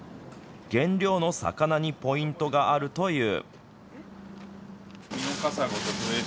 原料の魚にポイントがあるという。